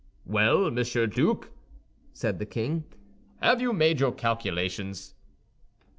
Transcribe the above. "Well, Monsieur Duke," said the king, "have you made your calculations?"